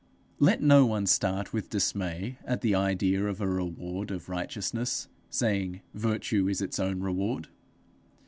Let no one start with dismay at the idea of a reward of righteousness, saying virtue is its own reward.